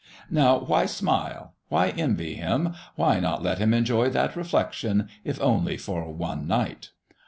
Now, why smile ? Why envy him ? Why not let him enjoy that reflection, if only for one night